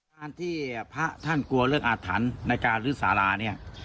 การที่พระท่านกลัวเรื่องอาถรรพ์ในการลื้อสาราเนี่ย